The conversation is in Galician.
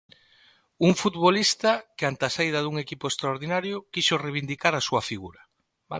Un futbolista que ante a saída dun equipo extraordinario quixo reivindicar a súa figura.